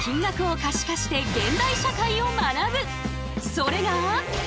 それが。